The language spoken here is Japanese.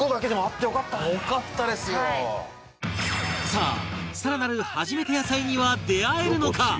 さあ更なる初めて野菜には出会えるのか？